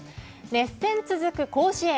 熱戦続く甲子園。